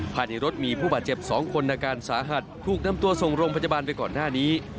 ภายในรถมีผู้บาดเจ็บ๒คนอาการสาหัสถูกนำตัวส่งโรงพยาบาลไปก่อนหน้านี้